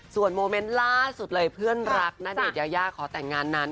ส่วนโมเมนต์ล่าสุดเลยเพื่อนรักณเดชน์ยายาขอแต่งงานนั้น